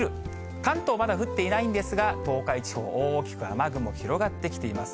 関東、まだ降っていないんですが、東海地方、大きく雨雲広がってきています。